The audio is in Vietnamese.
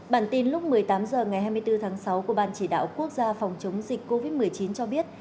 bản tin lúc một mươi tám h ngày hai mươi bốn tháng sáu của ban chỉ đạo quốc gia phòng chống dịch covid một mươi chín cho biết